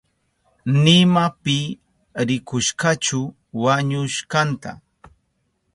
Nima pi rikushkachu wañushkanta.